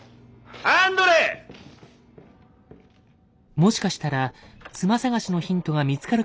もしかしたら妻探しのヒントが見つかるかもしれない。